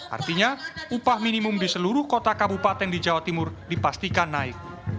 artinya upah minimum di seluruh kota kabupaten di jawa timur dipastikan naik